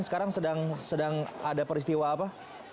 sekarang sedang ada peristiwa apa